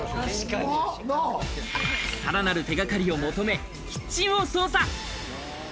さらなる手掛かりを求め、キッチンを捜査。